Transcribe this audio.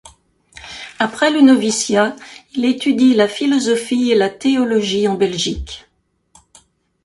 Après le noviciat, il étudie la philosophie et la théologie en Belgique.